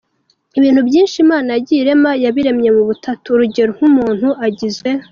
ibintu byinshi Imana yagiye irema yabiremye mu butatu, urugero nk'Umuntu agizwe.